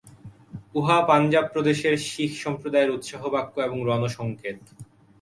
উহা পঞ্জাব প্রদেশের শিখ-সম্প্রদায়ের উৎসাহবাক্য এবং রণসঙ্কেত।